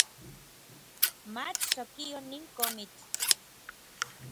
Mach sokio nin komitl